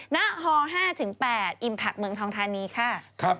ณฮ๕๘อิมแพคเมืองทองทานีค่ะ